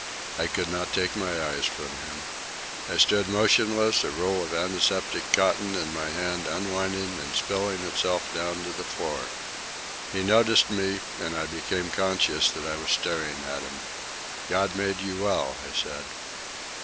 I could not take my eyes from him. I stood motionless, a roll of antiseptic cotton in my hand unwinding and spilling itself down to the floor. He noticed me, and I became conscious that I was staring at him. "God made you well," I said.